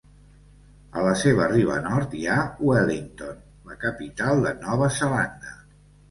A la seva riba nord hi ha Wellington, la capital de Nova Zelanda.